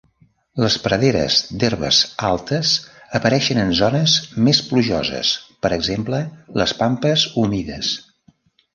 Les praderes d'herbes altes apareixen en zones més plujoses per exemple Les Pampes humides.